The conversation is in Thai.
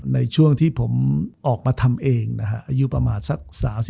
ในช่วงที่ผมออกมาทำเองนะฮะอายุประมาณสัก๓๔